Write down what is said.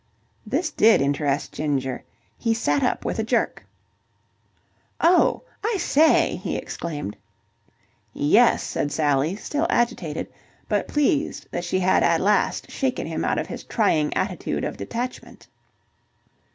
This did interest Ginger. He sat up with a jerk. "Oh, I say!" he exclaimed. "Yes," said Sally, still agitated but pleased that she had at last shaken him out of his trying attitude of detachment.